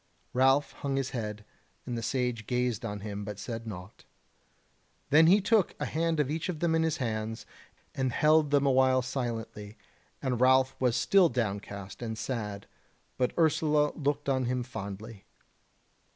Ralph hung his head, and the Sage gazed on him, but said naught. Then he took a hand of each of them in his hands, and held them a while silently, and Ralph was still downcast and sad, but Ursula looked on him fondly.